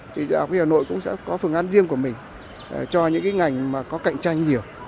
thì y đa khoa hà nội cũng sẽ có phương án riêng của mình cho những cái ngành mà có cạnh tranh nhiều